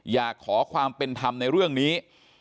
อยากขอความเป็นธรรมในเรื่องนี้